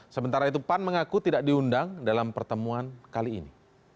sementara itu pan mengaku tidak diundang dalam pertemuan kali ini